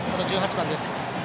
この１８番です。